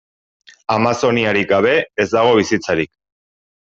Amazoniarik gabe ez dago bizitzarik.